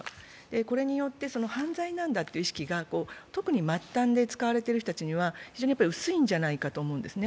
これによって犯罪なんだという意識が、特に末端で使われている人たちは薄いんじゃないかと思うんですね。